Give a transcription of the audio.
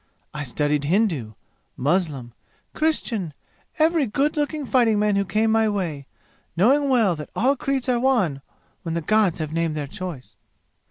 I studied Hindu, Muslim, Christian, every good looking fighting man who came my way, knowing well that all creeds are one when the gods have named their choice.